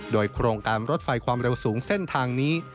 โดยโครงการรถไฟความเร็วสูงเส้นทางนี้